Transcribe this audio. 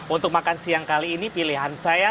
untuk makan siang kali ini pilihan saya